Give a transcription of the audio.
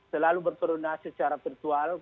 selalu berperunas secara virtual